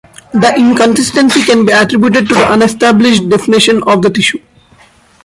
The inconsistency can be attributed to the unestablished definition of the tissue.